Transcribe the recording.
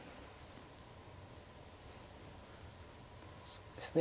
そうですね